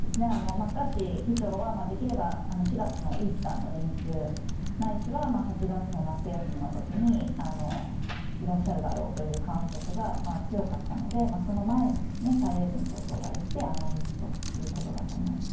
マッカーシー議長はできれば４月のイースターの連休ないしは８月の夏休みの時にいらっしゃるだろうという観測が強かったのでその前に蔡英文総統が行って会われるということだと思います。